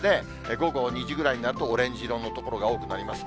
午後２時ぐらいになると、オレンジ色の所が多くなります。